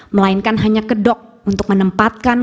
melainkan hanya kedok untuk menempatkan